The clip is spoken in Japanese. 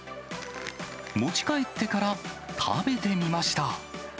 持ち帰ってから食べてみました。